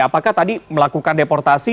apakah tadi melakukan deportasi